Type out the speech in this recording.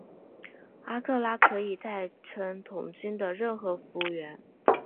阿克拉可以代称童军的任何服务员。